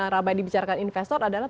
rabai dibicarakan investor adalah